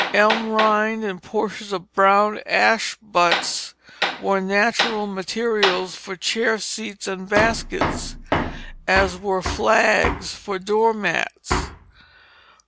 Elm rind and portions of brown ash butts were natural materials for chair seats and baskets, as were flags for door mats.